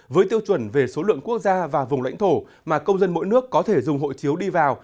với tiêu chuẩn về số lượng quốc gia và vùng lãnh thổ mà công dân mỗi nước có thể dùng hộ chiếu đi vào